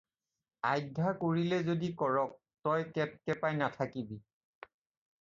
"আধ্যা কৰিলে যদি কৰক তই কেপকেপাই নাথাকিবি।"